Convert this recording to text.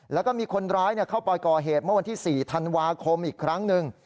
แล้วก็มีคนร้ายเข้าไปก่อเหตุเมื่อวันที่๔ธันวาคมอีกครั้งหนึ่ง